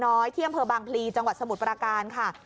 เที่ยวเจียงเผลอบังฤษีจังหวัดสมุทรประการค่ะ